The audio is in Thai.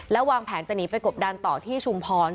แล้ววางแผนจะหนีไปกบดันต่อที่ชุมพร